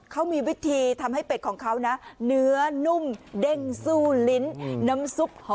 เขามีวิธีทำให้เป็ดของเขานะเนื้อนุ่มเด้งสู้ลิ้นน้ำซุปหอม